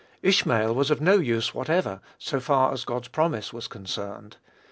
Ishmael was of no use whatever, so far as God's promise was concerned.